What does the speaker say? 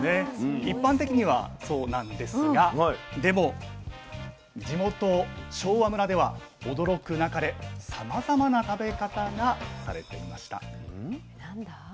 一般的にはそうなんですがでも地元昭和村では驚くなかれさまざまな食べ方がされていました。